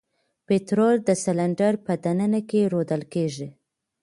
پطرول د سلنډر په د ننه کې رودل کیږي.